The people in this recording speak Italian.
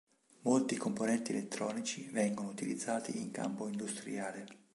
Molti componenti elettronici vengono utilizzati in campo industriale.